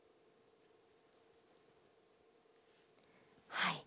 はい。